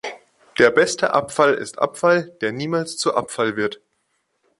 Der beste Abfall ist Abfall, der niemals zu Abfall wird.